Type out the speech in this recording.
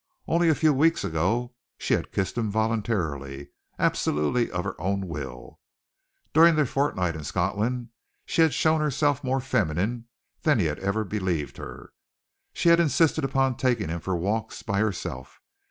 Only a few weeks ago she had kissed him voluntarily, absolutely of her own will. During their fortnight in Scotland she had shown herself more feminine than he had ever believed her. She had insisted upon taking him for walks by herself.